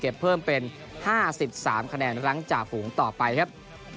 เพิ่มเป็น๕๓คะแนนหลังจากฝูงต่อไปครับ